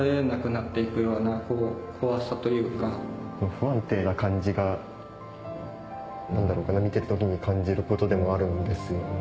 不安定な感じが見てる時に感じることでもあるんですよね。